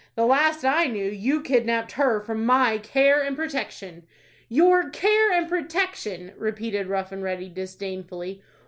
"The last I knew, you kidnapped her from my care and protection." "Your care and protection!" repeated Rough and Ready, disdainfully.